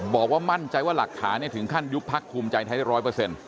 บอกว่ามั่นใจว่าหลักฐานี้ถึงขั้นยุคพักภูมิใจไทย๑๐๐